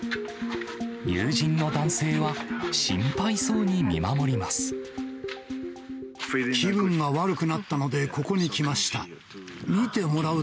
友人の男性は、心配そうに見守り気分が悪くなったのでここに来ました。